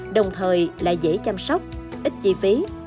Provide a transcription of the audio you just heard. đồng thời lại dễ chăm sóc ít chi phí